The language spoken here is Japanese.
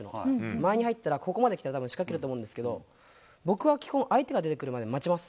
間合いに入ったら、ここまで来たらたぶん、仕掛けると思うんですけど、僕は基本、相手が出てくるまで待ちます。